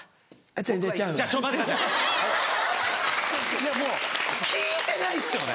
いやもう聞いてないっすよね